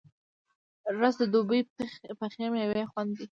رس د دوبی پخې میوې خوند دی